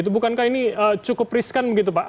bukankah ini cukup riskan begitu pak